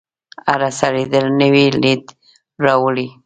هره څیرېدل نوی لید راوړي.